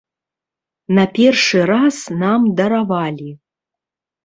На першы раз нам даравалі.